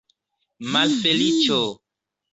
Malfeliĉo!